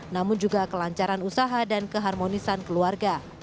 namun juga kelancaran usaha dan keharmonisan keluarga